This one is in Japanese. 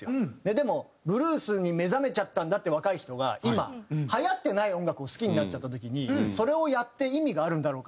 でもブルースに目覚めちゃったんだって若い人が今はやってない音楽を好きになっちゃった時にそれをやって意味があるんだろうか？